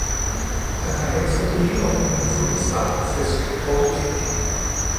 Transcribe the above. Han har hekset hele ovnen fuld af steg og fisk og kage.